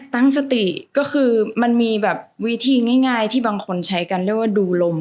ตั้งสติก็คือมันมีแบบวิธีง่ายที่บางคนใช้กันเรียกว่าดูลม